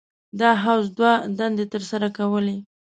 دا حوض دوه دندې تر سره کولې.